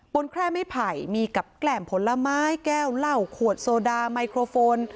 แค่ไม่ไผ่มีกับแกล้มผลไม้แก้วเหล้าขวดโซดาไมโครโฟน